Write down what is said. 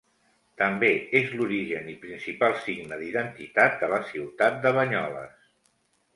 També és l'origen i principal signe d'identitat de la ciutat de Banyoles.